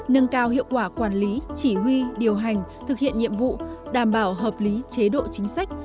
nâng cao hiệu quả quản lý chỉ huy điều hành thực hiện nhiệm vụ đảm bảo hợp lý chế độ chính sách